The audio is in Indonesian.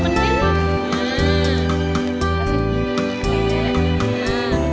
nah enggak ya